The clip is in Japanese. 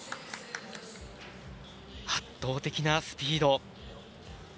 圧倒的なスピード。